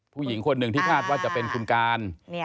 ผู้หญิงคนหนึ่งที่คาดว่าจะเป็นคุณการ